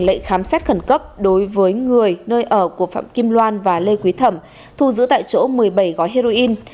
lệnh khám xét khẩn cấp đối với người nơi ở của phạm kim loan và lê quý thẩm thu giữ tại chỗ một mươi bảy gói heroin